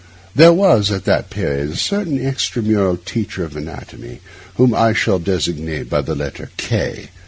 There was, at that period, a certain extramural teacher of anatomy, whom I shall here designate by the letter K.